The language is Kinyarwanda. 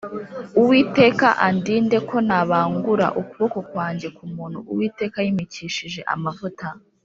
Uwiteka andinde ko nabangura ukuboko kwanjye ku muntu Uwiteka yimikishije amavuta.